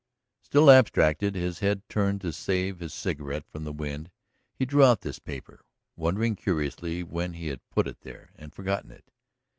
Still abstracted, his head turned to save his cigarette from the wind, he drew out this paper, wondering curiously when he had put it there and forgotten it.